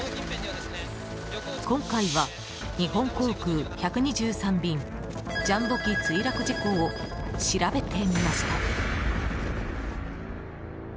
今回は日本航空１２３便ジャンボ機墜落事故を調べてみました。